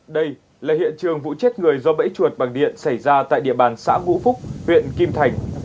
đây là hiện trường vụ chết người do bẫy chuột bằng điện xảy ra tại địa bàn xã ngũ phúc huyện kim thành